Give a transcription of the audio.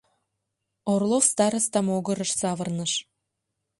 Орлов староста могырыш савырныш.